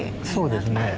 そうですね。